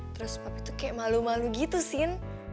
terus papi tuh kayak malu malu gitu sin